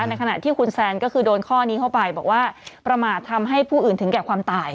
ในขณะที่คุณแซนก็คือโดนข้อนี้เข้าไปบอกว่าประมาททำให้ผู้อื่นถึงแก่ความตาย